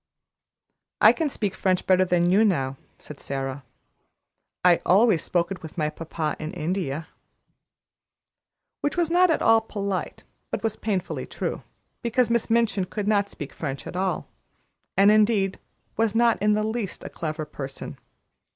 "I can speak French better than you, now," said Sara; "I always spoke it with my papa in India." Which was not at all polite, but was painfully true; because Miss Minchin could not speak French at all, and, indeed, was not in the least a clever person.